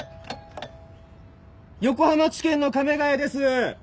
横浜地検の亀ヶ谷です！